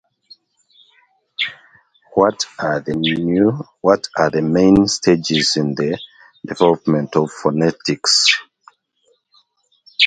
What are the main stages in the development of phonetics?